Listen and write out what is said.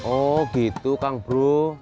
oh gitu kang bro